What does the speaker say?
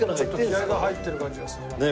気合が入ってる感じがするね。